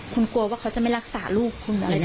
คุณกลัวว่าเขาจะไม่รักษาลูกคุณอะไรนะ